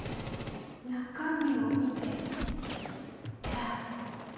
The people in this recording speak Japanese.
中身を見て選ぶ？